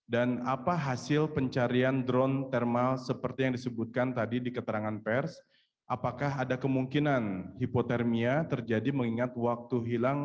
dan kami berkomunikasi dengan keluarga dan kedutaan